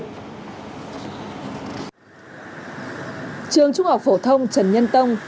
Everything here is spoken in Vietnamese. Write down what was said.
trường trung học phổ thông trần nhân tông